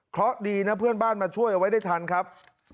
เพราะดีนะเพื่อนบ้านมาช่วยเอาไว้ได้ทันครับ